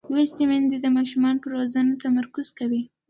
لوستې میندې د ماشوم پر روزنه تمرکز کوي.